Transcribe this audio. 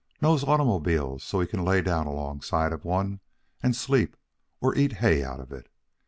Knows automobiles so he can lay down alongside of one and sleep or eat hay out of it.